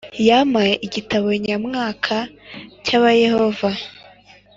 Yampaye i g i t a b o n y a m w a k a cyabayohova